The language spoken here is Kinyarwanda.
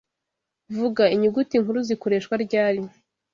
Vuga Inyuguti nkuru zikoreshwa ryari